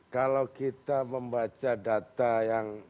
kalau kita membaca data yang